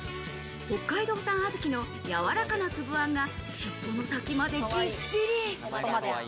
北海道産小豆のやわらかなつぶあんが、しっぽの先までぎっしり。